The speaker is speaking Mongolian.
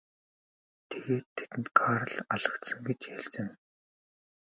Тэгээд тэдэнд Карл алагдсан гэж хэлсэн.